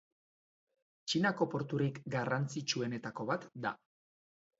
Txinako porturik garrantzitsuenetako bat da.